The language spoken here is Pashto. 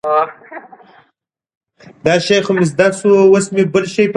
هلکان تل د مبارزې لوبو سره علاقه لري.